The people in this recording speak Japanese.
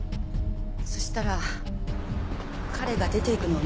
そしたら彼が出ていくのを見かけて。